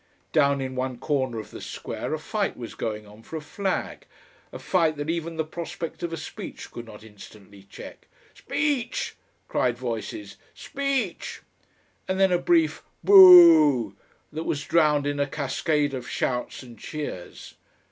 Down in one corner of the square a fight was going on for a flag, a fight that even the prospect of a speech could not instantly check. "Speech!" cried voices, "Speech!" and then a brief "boo oo oo" that was drowned in a cascade of shouts and cheers.